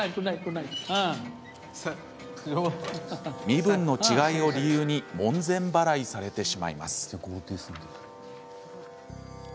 身分の違いを理由に門前払いされてしまいます。